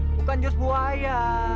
bukan jurus buaya